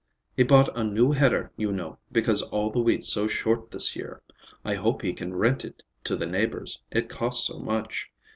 He bought a new header, you know, because all the wheat's so short this year. I hope he can rent it to the neighbors, it cost so much.